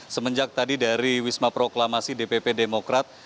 semenjak tadi dari wisma proklamasi dpp demokrat